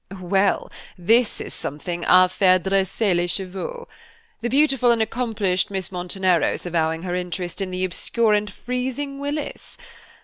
"Well, this is something à faire dresser les cheveux. The beautiful and accomplished Miss Monteneros avowing her interest in the obscure and freezing Willis!